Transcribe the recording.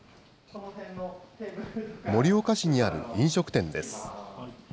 盛岡市にある飲食店です。